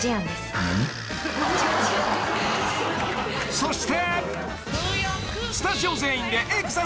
［そして］